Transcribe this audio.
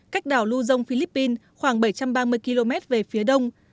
cách đảo lưu dông philippines khoảng bảy trăm ba mươi km về phía đông